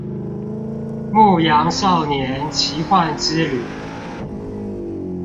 牧羊少年奇幻之旅